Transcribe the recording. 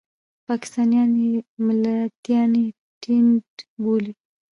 پاکستانیان یې ملتانی ټېنټ بولي.